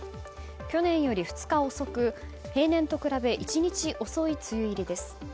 去年より２日遅く平年と比べ１日遅い梅雨入りです。